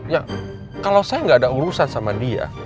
ya kalau saya nggak ada urusan sama dia